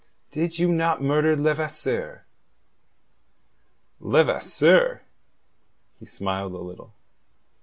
Did you not murder Levasseur?" "Levasseur?" He smiled a little.